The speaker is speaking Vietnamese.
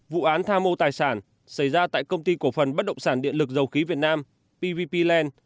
vụ án tham mô tài sản xảy ra tại công ty cổ phần bất động sản điện lực dầu khí việt nam pvp land